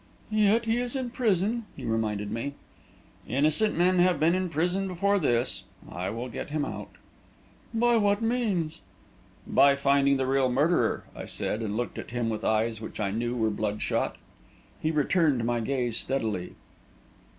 "Yet he is in prison," he reminded me. "Innocent men have been in prison before this. I will get him out." "By what means?" "By finding the real murderer!" I said, and looked at him with eyes which I know were bloodshot. He returned my gaze steadily.